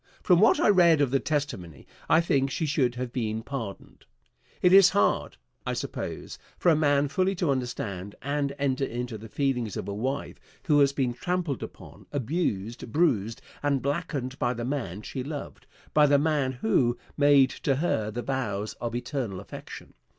From what I read of the testimony I think she should have been pardoned. It is hard, I suppose, for a man fully to understand and enter into the feelings of a wife who has been trampled upon, abused, bruised, and blackened by the man she loved by the man who made to her the vows of eternal affection.